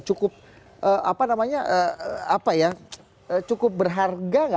cukup apa namanya apa ya cukup berharga nggak